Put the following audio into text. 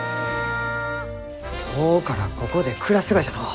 今日からここで暮らすがじゃのう。